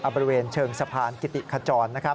บริเวณเชิงสะพานกิติขจร